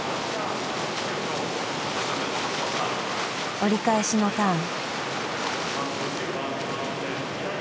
折り返しのターン。